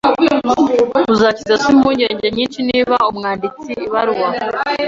Uzakiza so impungenge nyinshi niba umwanditse ibaruwa.